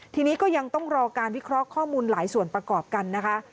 ทีนี้ก็ยังต้องรอการวิเคราะห์ข้อมูลหลายส่วนประกอบกันนะคะ